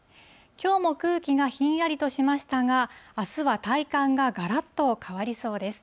きょうも空気がひんやりとしましたが、あすは体感ががらっと変わりそうです。